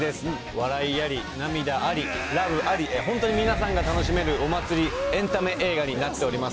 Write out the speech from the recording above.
笑いあり、涙あり、ラブあり、本当に皆さんが楽しめるお祭りエンタメ映画になっております。